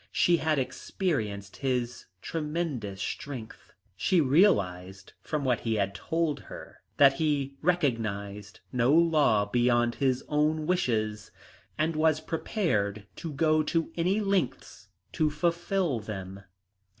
She had experienced his tremendous strength. She realised from what he had told her that he recognised no law beyond his own wishes, and was prepared to go to any lengths to fulfil them.